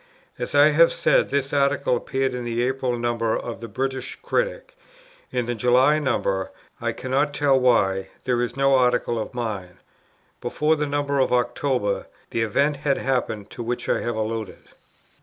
As I have said, this Article appeared in the April number of the British Critic; in the July number, I cannot tell why, there is no Article of mine; before the number for October, the event had happened to which I have alluded.